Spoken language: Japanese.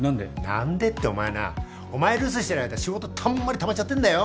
何でってお前なお前留守にしてる間仕事たんまりたまっちゃってんだよ。